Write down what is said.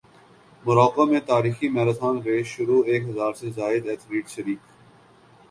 موراکو میں تاریخی marathon race شروع ایک ہزار سے زائد ایتھلیٹس شریک